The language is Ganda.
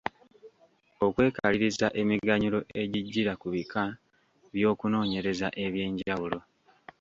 Okwekaliriza emiganyulo egijjira ku bika by’okunoonyereza eby’enjawulo.